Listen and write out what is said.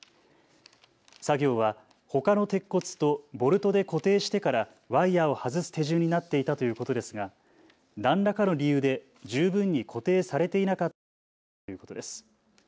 作業はほかの鉄骨とボルトで固定してからワイヤーを外す手順になっていたということですが何らかの理由で十分に固定されていなかったと見られるということです。